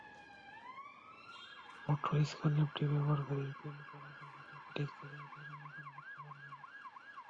PhotoScan অ্যাপটি ব্যবহারকারী print করা ছবিতে ক্লিক করে অ্যাপে সংরক্ষণ করতে পারবেন।